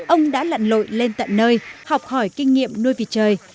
ông đã lặn lội lên tận nơi học hỏi kinh nghiệm nuôi vịt trời